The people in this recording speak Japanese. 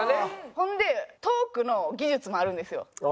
ほんでトークの技術もあるんですよ。